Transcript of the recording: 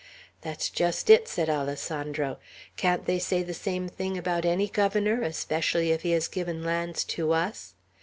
"That's just it," said Alessandro. "Can't they say that same thing about any governor, especially if he has given lands to us?